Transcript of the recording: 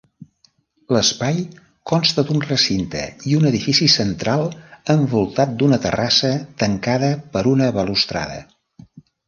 L'espai consta d'un recinte i un edifici central envoltat d'una terrassa tancada per una balustrada.